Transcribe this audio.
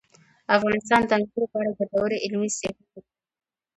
افغانستان د انګورو په اړه ګټورې علمي څېړنې لري.